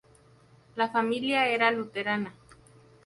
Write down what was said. La familia era luterana.